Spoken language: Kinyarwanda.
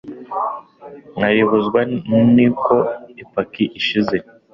nkalibuzwa n'uko ipaki ishize